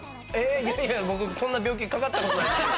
いやいや僕そんな病気かかったことないですけど。